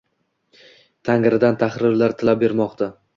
tangridan tahrirlar tilab bermoqqa